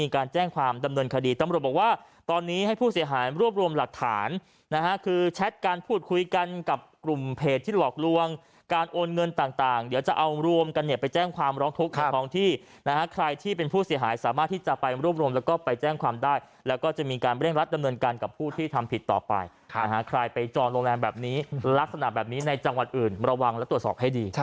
การแจ้งความดำเนินคดีตำรวจบอกว่าตอนนี้ให้ผู้เสียหายรวบรวมหลักฐานนะฮะคือแชทการพูดคุยกันกับกลุ่มเพจที่หลอกลวงการโอนเงินต่างเดี๋ยวจะเอารวมกันเนี่ยไปแจ้งความร้องทุกของที่นะฮะใครที่เป็นผู้เสียหายสามารถที่จะไปรวบรวมแล้วก็ไปแจ้งความได้แล้วก็จะมีการเร่งรัดดำเนินกันกับผู้ที่ทำผ